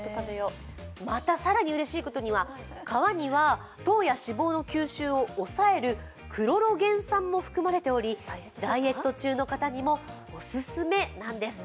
また更にうれしいことには皮には糖や脂肪の吸収を抑えるクロロゲン酸も含まれておりダイエット中の方にもお勧めなんです。